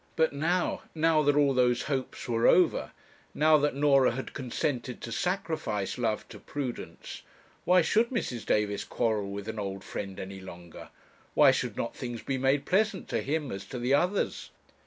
But now, now that all those hopes were over, now that Norah had consented to sacrifice love to prudence, why should Mrs. Davis quarrel with an old friend any longer? why should not things be made pleasant to him as to the others?